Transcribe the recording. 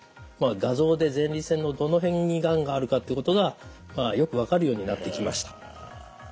画像で前立腺のどの辺にがんがあるかっていうことがよく分かるようになってきました。